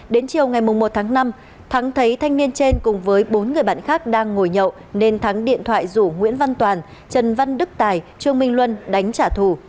đến chiều ngày một tháng năm thắng thấy thanh niên trên cùng với bốn người bạn khác đang ngồi nhậu nên thắng điện thoại rủ nguyễn văn toàn trần văn đức tài trương minh luân đánh trả thù